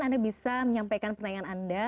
anda bisa menyampaikan pertanyaan anda